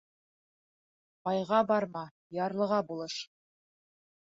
Байға барма, ярлыға булыш.